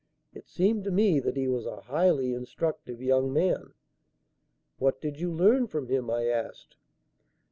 It seemed to me that he was a highly instructive young man." "What did you learn from him?" I asked.